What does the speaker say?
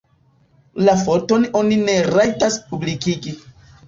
La foton oni ne rajtas publikigi.